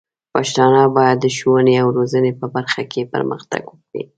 پښتانه بايد د ښوونې او روزنې په برخه کې پرمختګ وکړي.